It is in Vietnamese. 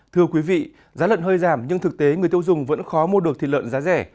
thưa quý vị giá lợn hơi giảm nhưng thực tế người tiêu dùng vẫn khó mua được thịt lợn giá rẻ